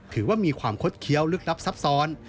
ถือว่ามีความคดเคี้ยวลึกลับซับซ้อน